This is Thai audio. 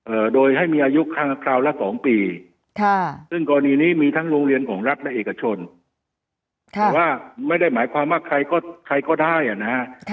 โดยให้มีอายุคราวละสองปีค่ะซึ่งกรณีนี้มีทั้งโรงเรียนของรัฐและเอกชนค่ะแต่ว่าไม่ได้หมายความว่าใครก็ใครก็ได้อ่ะนะฮะ